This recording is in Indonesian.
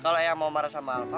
kalau ayang mau marah sama alva